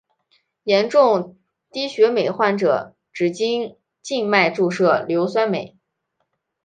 严重低血镁患者能经静脉注射硫酸镁。